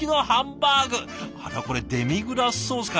あらこれデミグラスソースかな？